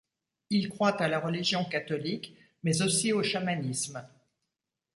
Ils croient à la religion catholique, mais aussi au chamanisme.